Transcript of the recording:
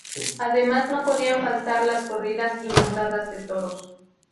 Además no podían faltar las corridas y montadas de toros.